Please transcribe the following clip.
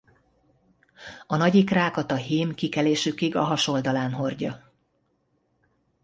A nagy ikrákat a hím kikelésükig a hasoldalán hordja.